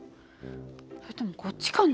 それともこっちかな？